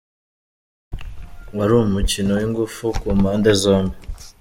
Wari umukino w’ingufu ku mpande zombi